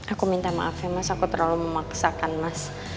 aku minta maaf ya mas aku terlalu memaksakan mas